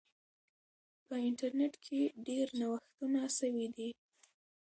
په انټرنیټ کې ډیر نوښتونه سوي دي.